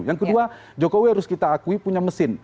yang kedua jokowi harus kita akui punya mesin